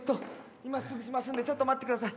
今すぐしますんでちょっと待ってください。